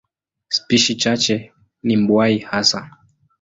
Spishi chache ni mbuai hasa.